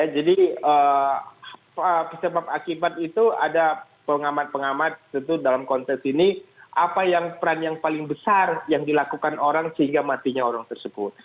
jadi sebab akibat itu ada pengamat pengamat tentu dalam konteks ini apa yang peran yang paling besar yang dilakukan orang sehingga matinya orang tersebut